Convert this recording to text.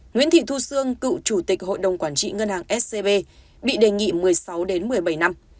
nguyễn thị thu sương cựu chủ tịch hội đồng quản trị ngân hàng scb bị đề nghị một mươi sáu một mươi bảy năm